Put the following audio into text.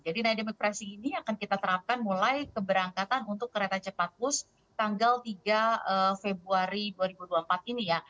nademic pricing ini akan kita terapkan mulai keberangkatan untuk kereta cepat bus tanggal tiga februari dua ribu dua puluh empat ini ya